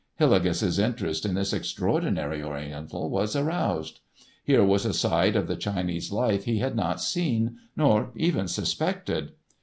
Hillegas's interest in this extraordinary Oriental was aroused. Here was a side of the Chinese life he had not seen, nor even suspected.